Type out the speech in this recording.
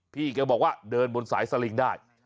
พี่แกบอกว่าเดินบนสายสลิงได้